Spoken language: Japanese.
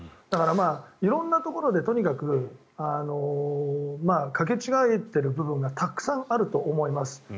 だから色んなところでとにかく掛け違えている部分がたくさんあると思います。